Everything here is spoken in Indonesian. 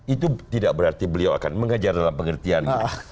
itu tidak berarti beliau akan mengajar dalam pengertian